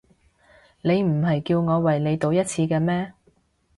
你唔係叫我為你賭一次嘅咩？